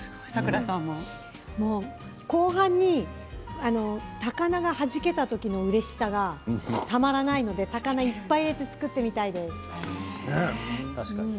後半に高菜がはじけた時のうれしさがたまらないので高菜をいっぱい入れて作ってみたいです。